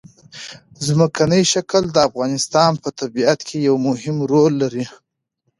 ځمکنی شکل د افغانستان په طبیعت کې یو مهم رول لري.